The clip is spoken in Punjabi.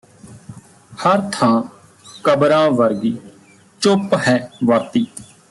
ਹਰ ਥਾਂ ਕਬਰਾਂ ਵਰਗੀ ਚੁੱਪ ਹੈ ਵਰਤੀ